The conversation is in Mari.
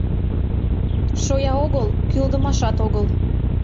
— Шоя огыл, кӱлдымашат огыл!..